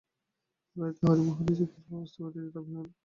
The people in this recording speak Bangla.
এ বাড়িতে হরিমোহিনীর যে কিরূপ অবস্থা ঘটিয়াছে তাহা বিনয় স্পষ্টই বুঝিতে পারিল।